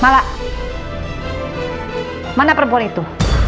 mala mana perempuan itu